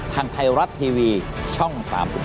ทางไทยรัฐทีวีช่อง๓๒